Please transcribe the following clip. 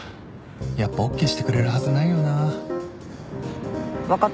やっぱ ＯＫ してくれるはずないよな分かった。